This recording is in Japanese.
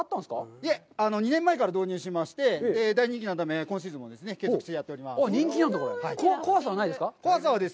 いえ、２年前から導入しまして、大人気のため、今シーズンも継続してやっております。